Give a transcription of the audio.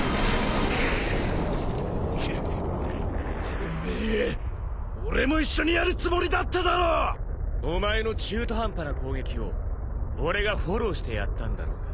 てめえ俺も一緒にやるつもりだっただろ！？お前の中途半端な攻撃を俺がフォローしてやったんだろうが。